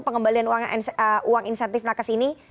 pengembalian uang insentif nakes ini